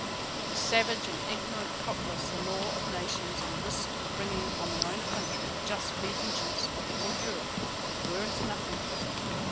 To the savage and ignorant populace the law of nations and the risk of bringing on their country the just vengeance of all Europe were as nothing.